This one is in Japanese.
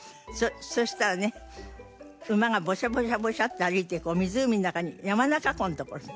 そしたらね馬がボシャボシャボシャって歩いて湖の中に山中湖のところ。